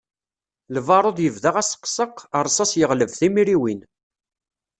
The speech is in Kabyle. Lbarud yebda aseqseq, rsas yeɣleb timriwin.